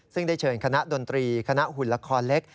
ซึ่งได้เชิญคณะดนตรีคณะหุ่นละครเล็ก